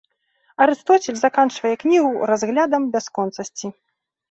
Арыстоцель заканчвае кнігу разглядам бясконцасці.